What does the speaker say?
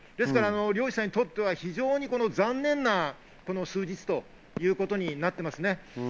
漁師さんにとっては非常に残念な数日ということになっています。